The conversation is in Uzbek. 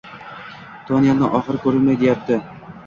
Tonelni oxiri ko'rinay deyaptimi?